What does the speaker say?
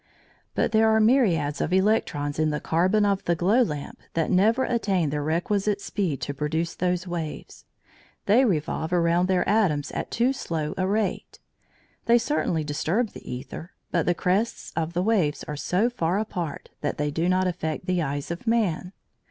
But there are myriads of electrons in the carbon of the glow lamp that never attain the requisite speed to produce those waves; they revolve around their atoms at too slow a rate. They certainly disturb the æther, but the crests of the waves are so far apart that they do not affect the eyes of man.